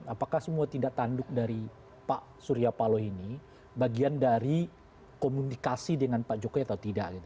apakah semua tindak tanduk dari pak surya paloh ini bagian dari komunikasi dengan pak jokowi atau tidak